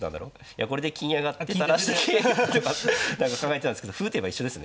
いやこれで金上がって垂らして桂跳ねとか考えてたんですけど歩打てば一緒ですね。